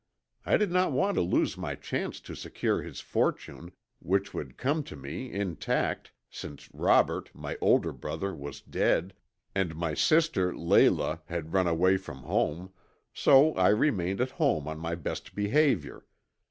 I did not want to lose my chance to secure his fortune, which would come to me intact since Robert, my older brother, was dead, and my sister, Leila, had run away from home, so I remained at home on my best behavior.